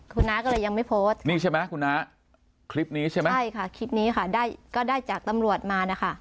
คุณน้าก็เลยยังไม่โพสต์นี่ใช่ไหมคุณน้าคลิปนี้ใช่ไหมใช่ค่ะคลิปนี้ค่ะได้ก็ได้จากตำรวจมานะคะ